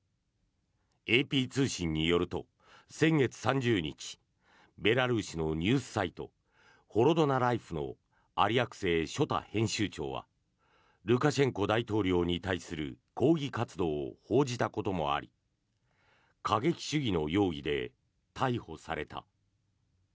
ＡＰ通信によると先月３０日ベラルーシのニュースサイトホロドナ・ライフのアリアクセイ・ショタ編集長はルカシェンコ大統領に対する抗議活動を報じたこともあり過激主義の容疑で逮捕された。